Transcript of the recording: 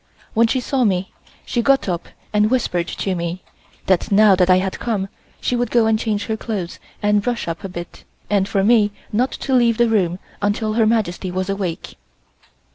When she saw me she got up and whispered to me, that now that I had come, she would go and change her clothes and brush up a bit, and for me not to leave the room until Her Majesty was awake.